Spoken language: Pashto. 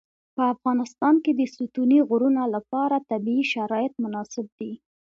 په افغانستان کې د ستوني غرونه لپاره طبیعي شرایط مناسب دي.